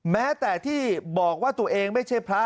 แม้แต่ที่บอกว่าตัวเองไม่ใช่พระ